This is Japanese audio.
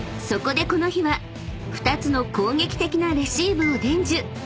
［そこでこの日は２つの攻撃的なレシーブを伝授］